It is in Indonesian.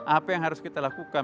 apa yang harus kita lakukan